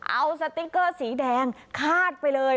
เอาสติ๊กเกอร์สีแดงคาดไปเลย